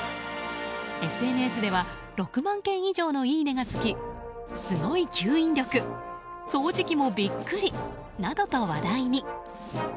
ＳＮＳでは６万件以上のいいねがつきすごい吸引力掃除機もビックリなどと話題に。